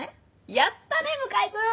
やったね向井君！